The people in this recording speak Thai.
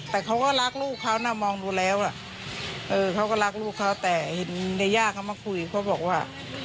แต่เขาก็รักลูกเขานะมองดูแล้วเขาก็รักลูกเขาแต่เห็นเยาย่าเขามาคุยเขาบอกว่า